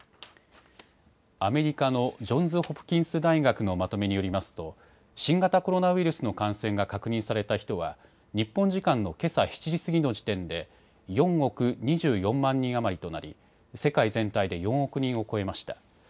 アメリカのジョンズ・ホプキンス大学のまとめによりますと新型コロナウイルスの感染が確認された人は日本時間のけさ７時過ぎの時点で４億２４万人余りとなり世界全体で４億人を超えました。